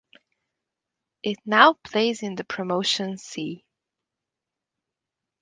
It now plays in the Promotion C.